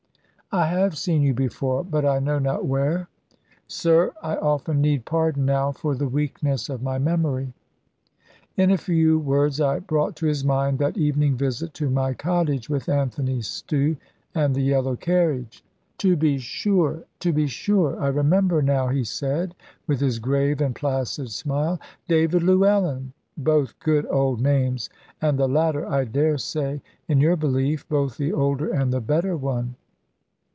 "I have seen you before, but I know not where. Sir, I often need pardon now for the weakness of my memory." In a few short words I brought to his mind that evening visit to my cottage, with Anthony Stew and the yellow carriage. "To be sure, to be sure! I remember now," he said, with his grave and placid smile: "David Llewellyn! Both good old names, and the latter, I daresay, in your belief, both the older and the better one.